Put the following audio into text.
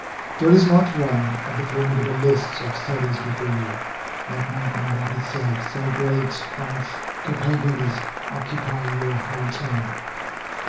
There is not one, of the formidable lists of studies before you, that might not of itself, so great are its capabilities, occupy your whole time.